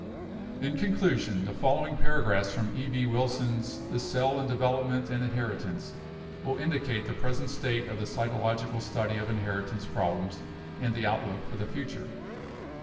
In conclusion, the following paragraphs from E. B. Wilson's 'The Cell in Development and Inheritance' will indicate the present state of the cytological study of in heritance problems and the outlook for the future.